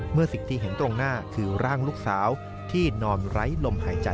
เมื่อสิ่งที่เห็นตรงหน้าคือร่างลูกสาวที่นอนไร้ลมหายใจ